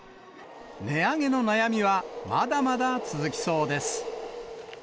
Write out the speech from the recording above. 値上げの悩みはまだまだ続きそうです。